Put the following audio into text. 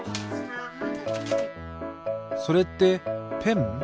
それってペン？